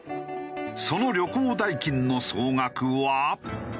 その旅行代金の総額は。